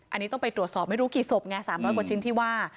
อันนี้ต้องไปตรวจสอบไม่รู้กี่ศพไง๓๐๐กว่าชิ้นที่ว่า